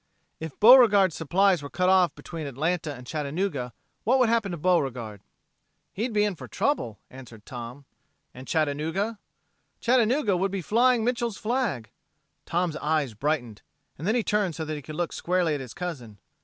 If Beauregard's supplies were cut off between Atlanta and Chattanooga, what would happen to Beauregard?" "He'd been in for trouble," answered Tom. "And Chattanooga...?" "Chattanooga would be flying Mitchel's flag." Tom's eyes brightened, and he turned so that he could look squarely at his cousin.